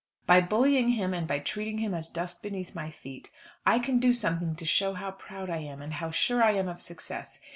By bullying him and by treating him as dust beneath my feet, I can do something to show how proud I am, and how sure I am of success.